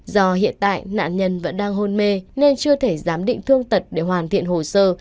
do hiện tại nạn nhân vẫn đang hôn mê nên chưa thể giám định thương tật để hoàn thiện hồ sơ